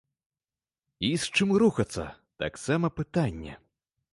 І з чым рухацца, таксама пытанне.